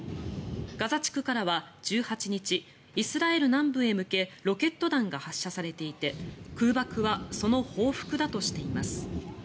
ガザ地区からは１８日イスラエル南部へ向けロケット弾が発射されていて空爆はその報復だとしています。